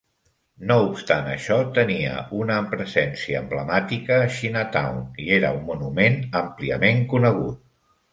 No obstant això, tenia una presència emblemàtica a Chinatown i era un monument àmpliament conegut.